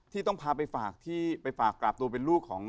ที่ต้องพาไปฝากกราบตัวเป็นลูกของ